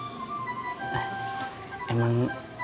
emangnya teh boleh belajar dulu